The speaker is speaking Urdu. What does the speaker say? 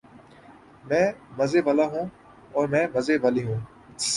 میں مرنے والا ہوں اور میں مرنے والی ہوں